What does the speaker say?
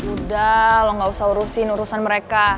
udah lo gak usah urusin urusan mereka